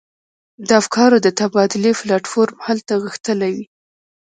د افکارو د تبادلې پلاټ فورم هلته غښتلی وي.